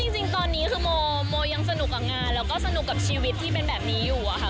จริงตอนนี้คือโมยังสนุกกับงานแล้วก็สนุกกับชีวิตที่เป็นแบบนี้อยู่อะค่ะ